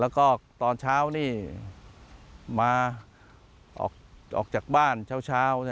แล้วก็ตอนเช้านี่มาออกจากบ้านเช้า